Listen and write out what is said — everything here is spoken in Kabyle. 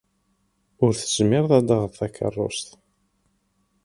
Ur tezmireḍ ad d-tesɣeḍ takeṛṛust?